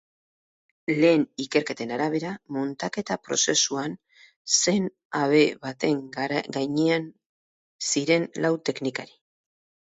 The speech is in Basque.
Lehen ikerketen arabera, muntaketa prozesuan zen habe baten gainean ziren lau teknikari.